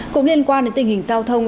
cũng liên quan đến tình hình giao thông